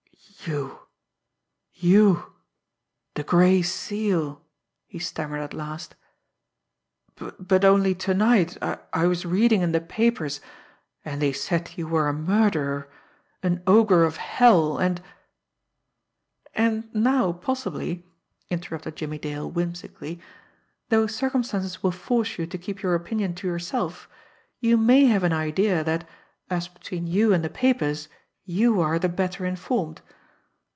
"You! You the Gray Seal!" he stammered at last. "But only to night I was reading in the papers, and they said you were a murderer, an ogre of hell, and " "And now, possibly," interrupted Jimmie Dale whimsically, "though circumstances will force you to keep your opinion to yourself, you may have an idea that, as between you and the papers, you are the better informed.